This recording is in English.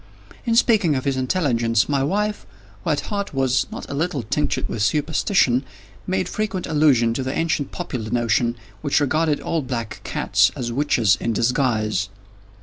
In speaking of his intelligence, my wife, who at heart was not a little tinctured with superstition, made frequent allusion to the ancient popular notion, which regarded all black cats as witches in disguise.